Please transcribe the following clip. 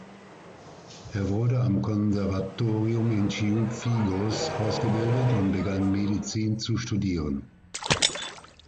Er wurde am Konservatorium in Cienfuegos ausgebildet und begann Medizin zu studieren.